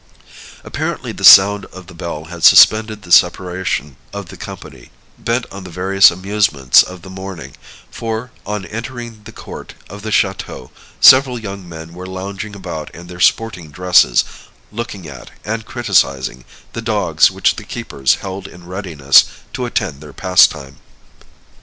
Apparently the sound of the bell had suspended the separation of the company, bent on the various amusements of the morning; for, on entering the court of the château, several young men were lounging about in their sporting dresses, looking at, and criticizing, the dogs which the keepers held in readiness to attend their pastime.